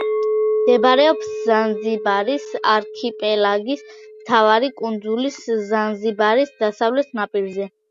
მდებარეობს ზანზიბარის არქიპელაგის მთავარი კუნძულის, ზანზიბარის დასავლეთ ნაპირზე.